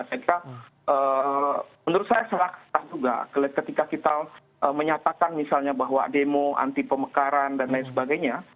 saya kira menurut saya salah juga ketika kita menyatakan misalnya bahwa demo anti pemekaran dan lain sebagainya